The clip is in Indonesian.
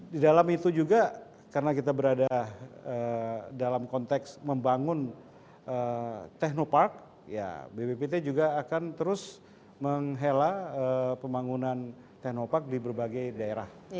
dan dalam itu juga karena kita berada dalam konteks membangun technopark ya bpbt juga akan terus menghela pembangunan technopark di berbagai daerah